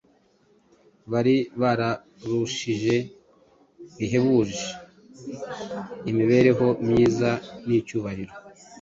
bari babarushije bihebuje imibereho myiza n'icyubahiro,